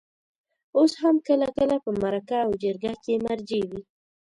اوس هم کله کله په مرکه او جرګه کې مرجع وي.